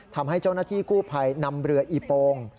ทำให้เจ้าหน้าที่กู้ภัยนำเรืออีโปง